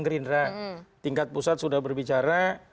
gerindra tingkat pusat sudah berbicara